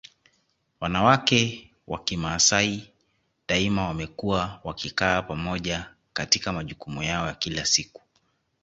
Wanawake wa Kimasai daima wamekuwa wakikaa pamoja katika majukumu yao ya kila siku